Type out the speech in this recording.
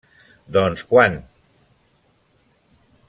-Doncs, quan?